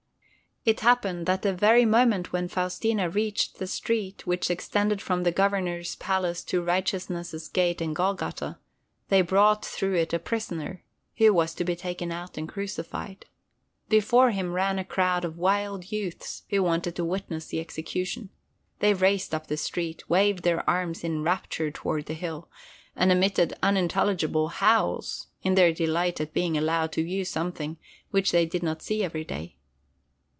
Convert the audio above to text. It happened that the very moment when Faustina reached the street which extended from the Governor's palace to Righteousness' Gate and Golgotha, they brought through it a prisoner, who was to be taken out and crucified. Before him ran a crowd of wild youths who wanted to witness the execution. They raced up the street, waved their arms in rapture towards the hill, and emitted unintelligible howls—in their delight at being allowed to view something which they did not see every day.